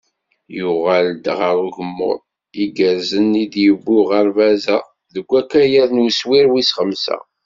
Yuɣal-d ɣer ugemmuḍ i igerrzen i d-yewwi uɣerbaz-a deg ukayad n uswir wis xemsa.